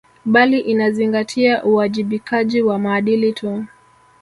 Bali inazingatia uwajibikaji wa maadili tu